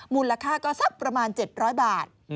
มูลค่าก็สักประมาณ๗๐๐บาท